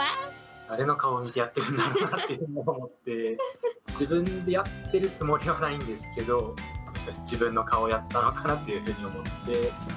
誰の顔見てやってるんだろうなって思って、自分でやっているつもりはないんですけど、自分の顔やっていたのかなと思って。